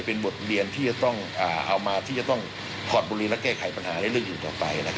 เป็นบทเรียนที่จะต้องเอามาที่จะต้องถอดบุรีและแก้ไขปัญหาในเรื่องอื่นต่อไป